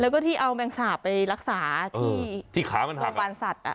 แล้วก็ที่เอาแบงสาไปรักษาที่ที่ขามันหักบางปันสัตว์อ่ะ